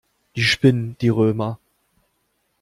Die spinnen, die Römer.